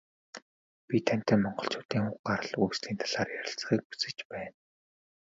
Бид тантай Монголчуудын уг гарал үүслийн талаар ярилцахыг хүсэж байна.